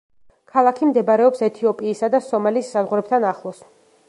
ქალაქი მდებარეობს ეთიოპიისა და სომალის საზღვრებთან ახლოს.